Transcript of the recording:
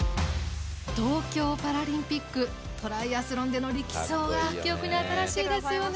東京パラリンピックトライアスロンでの力走が記憶に新しいですよね。